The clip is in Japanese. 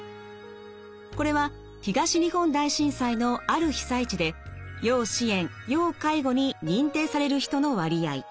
これは東日本大震災のある被災地で要支援・要介護に認定される人の割合。